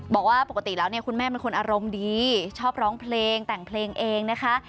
บอกว่าปกติแล้วเนี่ยคุณแม่เป็นคนอารมณ์ดีชอบร้องเพลงแต่งเพลงเองนะคะ